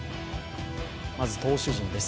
まず投手陣です。